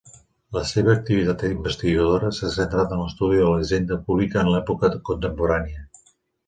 La seva activitat investigadora s'ha centrat en l'estudi de la Hisenda Pública en l'època contemporània.